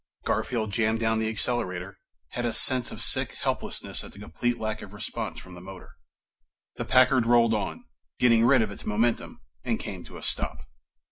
Garfield jammed down the accelerator, had a sense of sick helplessness at the complete lack of response from the motor. The Packard rolled on, getting rid of its momentum, and came to a stop.